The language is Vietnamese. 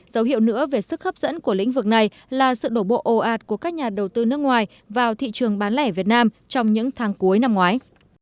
dấu hiệu nữa về sức hấp dẫn của lĩnh vực này là sự đổ bộ ồ ạt của các nhà đầu tư nước ngoài vào thị trường bán lẻ việt nam trong những tháng cuối năm ngoái